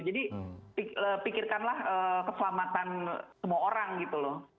jadi pikirkanlah keselamatan semua orang gitu loh